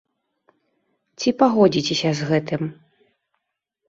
Ці пагодзіцеся з гэтым?